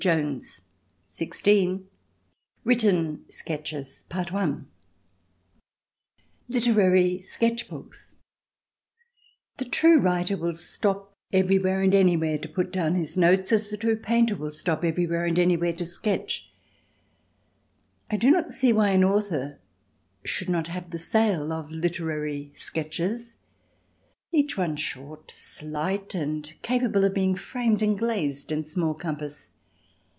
XVI Written Sketches Literary Sketch Books THE true writer will stop everywhere and anywhere to put down his notes, as the true painter will stop everywhere and anywhere to sketch. I do not see why an author should not have a sale of literary sketches, each one short, slight and capable of being framed and glazed in small compass.